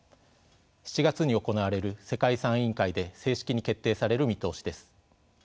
７月に行われる世界遺産委員会で正式に決定される見通しです。